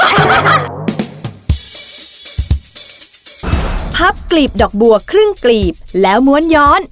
พี่ดาขายดอกบัวมาตั้งแต่อายุ๑๐กว่าขวบ